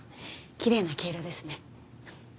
きれいな毛色ですね。